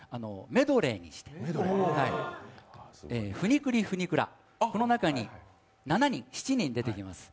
メドレーにして、「フニクリ・フニクラ」、この中に、７人出てきます。